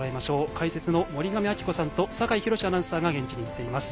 解説の森上亜希子さんと酒井博司アナウンサーが現地に行っています。